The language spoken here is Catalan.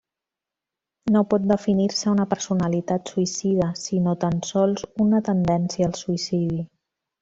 No pot definir-se una personalitat suïcida, sinó tan sols una tendència al suïcidi.